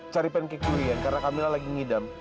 cari pancake durian karena kami lagi ngidam